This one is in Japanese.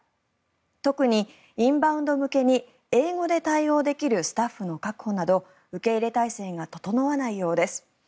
特にインバウンド向けに英語で対応できるスタッフの確保など受け入れ態勢が整わないようです。